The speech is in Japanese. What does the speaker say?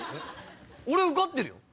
俺受かってるよ。